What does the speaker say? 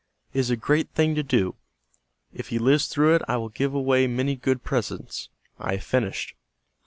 It is a great thing to do. If he lives through it I will give away many good presents. I have finished."